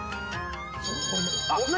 あっ何？